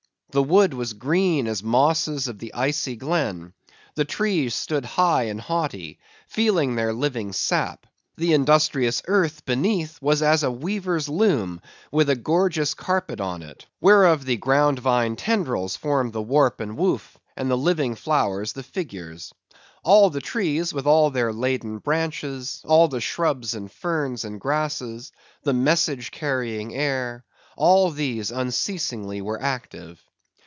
The wood was green as mosses of the Icy Glen; the trees stood high and haughty, feeling their living sap; the industrious earth beneath was as a weaver's loom, with a gorgeous carpet on it, whereof the ground vine tendrils formed the warp and woof, and the living flowers the figures. All the trees, with all their laden branches; all the shrubs, and ferns, and grasses; the message carrying air; all these unceasingly were active.